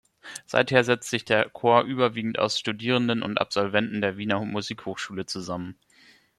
Seither setzt sich der Chor überwiegend aus Studierenden und Absolventen der Wiener Musikhochschule zusammen.